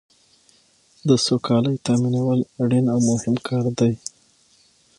د سوکالۍ تامینول اړین او مهم کار دی.